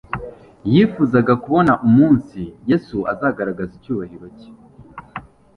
yifuzaga kubona umunsi Yesu azagaragaza icyubahiro cye,